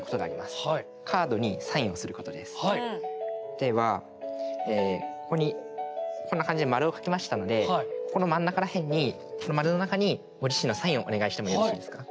ではここにこんな感じで丸を書きましたのでこの真ん中ら辺にこの丸の中にご自身のサインをお願いしてもよろしいですか。